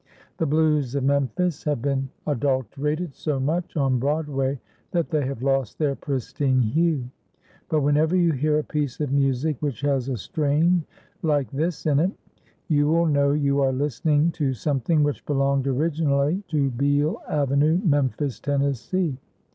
The "Blues" of Memphis have been adulterated so much on Broadway that they have lost their pristine hue. But whenever you hear a piece of music which has a strain like this in it: [Illustration: Music] you will know you are listening to something which belonged originally to Beale Avenue, Memphis, Tennessee.